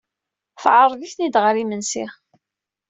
Teɛreḍ-iten-id ɣer yimensi.